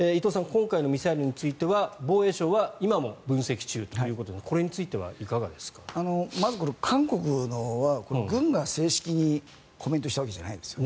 今回のミサイルについては防衛省は今も分析中ということですがこれについてはまず韓国のは軍が正式にコメントしたわけじゃないです。